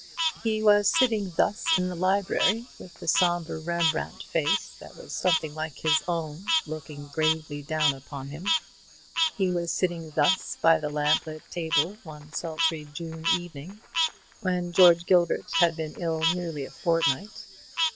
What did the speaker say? He was sitting thus in the library, with the sombre Rembrandt face that was something like his own looking gravely down upon him; he was sitting thus by the lamplit table one sultry June evening, when George Gilbert had been ill nearly a fortnight.